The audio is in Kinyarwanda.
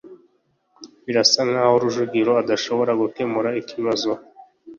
birasa nkaho rujugiro adashoboye gukemura ikibazo